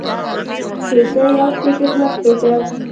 شپېتۀ يو شپېته دوه شپېته